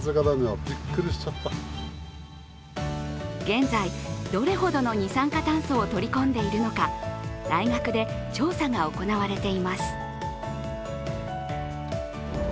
現在、どれほどの二酸化炭素を取り込んでいるのか、大学で調査が行われています。